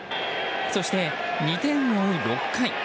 そして、２点を追う６回。